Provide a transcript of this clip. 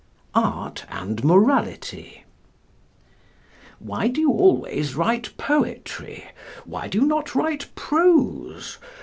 _ART AND MORALITY "Why do you always write poetry? Why do you not write prose?